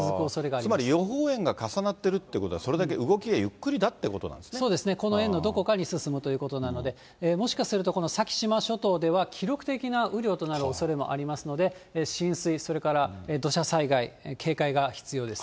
つまり予報円が重なっているということは、それだけ動きがゆそうですね、この円のどこかに進むということなので、もしかすると、この先島諸島では記録的な雨量となるおそれもありますので、浸水、それから土砂災害、警戒が必要です。